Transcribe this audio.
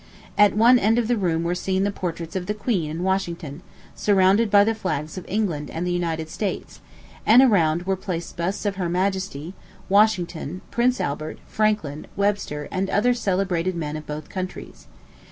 At one end of the room were seen the portraits of the queen and Washington, surrounded by the flags of England and the United States; and around were placed busts of her majesty, Washington, Prince Albert, Franklin, Webster, and other celebrated men of both countries.